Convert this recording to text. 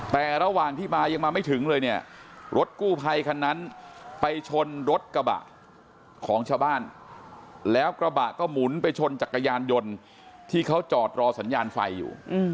แต่ระหว่างที่มายังมาไม่ถึงเลยเนี่ยรถกู้ภัยคันนั้นไปชนรถกระบะของชาวบ้านแล้วกระบะก็หมุนไปชนจักรยานยนต์ที่เขาจอดรอสัญญาณไฟอยู่